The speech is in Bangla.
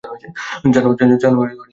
জান আমার কি মনে হয়?